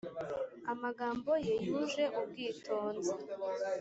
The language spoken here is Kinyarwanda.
amagambo ye yuje ubwitonzi